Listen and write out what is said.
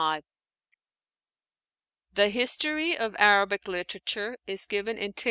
The history of Arabic literature is given in Th.